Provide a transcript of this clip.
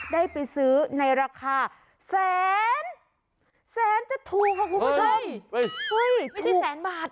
ได้ไปซื้อในราคาแสนแสนจะถูกค่ะคุณผู้ชม